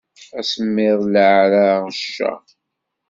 Asemmiḍ, leɛra, cceṛ.